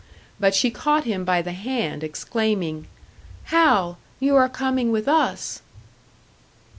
But she caught him by the hand, exclaiming: "Hal, you are coming with us!"